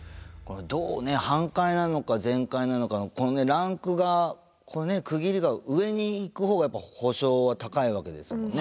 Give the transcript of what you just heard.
どう半壊なのか全壊なのかのランクが区切りが上に行く方が補償は高いわけですもんね。